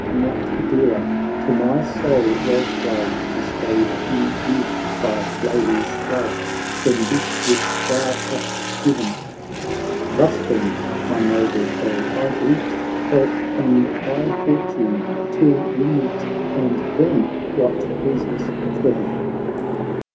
Not dearer to my soul was glove, Bestowed in youth by lady's love. Than this which thou hast given ! Thus, then, my noble foe I greet; Health and high fortune till we meet, And then — what pleases Heaven."